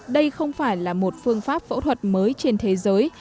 đây không phải là một phương pháp phẫu thuật mới trên thế giới